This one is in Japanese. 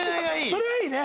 それはいいね。